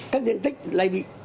các điện tích lại bị